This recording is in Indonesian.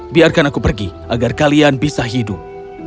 biarkan aku pergi agar kalian bisa hidup